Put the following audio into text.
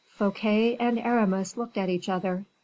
Fouquet and Aramis looked at each other.